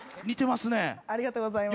ありがとうございます。